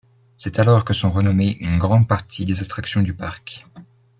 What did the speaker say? C'est alors que sont renommées une grande partie des attractions du parc.